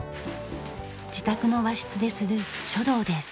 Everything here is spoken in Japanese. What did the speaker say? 自宅の和室でする書道です。